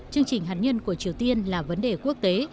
chương trình hạt nhân của triều tiên là vấn đề quốc tế